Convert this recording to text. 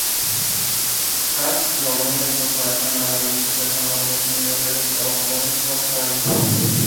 Kast logró la incorporación a la legislación laboral general de los trabajadores portuarios.